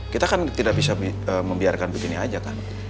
kita kan tidak bisa membiarkan begini aja kan